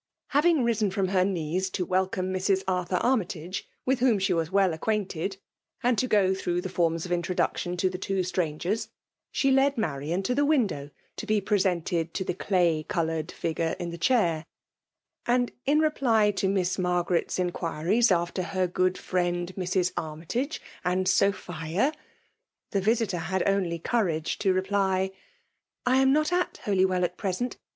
Having risen from her knees to welcome Krs. Artkur Armytage, with whom she was well acquainted, and to go through the fonns 260 ySMAJLE DOVlNATK>9r« of introduction to the two strangers, slie le4 Marian to the window to be presented to the clay ^coloured figure in the chair ; and in reply to> Miss Margaret's inquiries after her good friend Mrs. Armytage and Sophia,. the visiter had only courage to reply, " I am not at Holy well at present.